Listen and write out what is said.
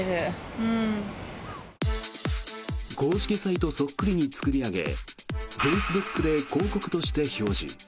公式サイトそっくりに作り上げフェイスブックで広告として表示。